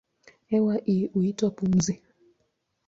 Hewa hii huitwa pumzi.